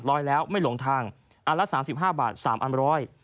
ร้อยแล้วไม่หลงทางอันละ๓๕บาท๓อันร้อย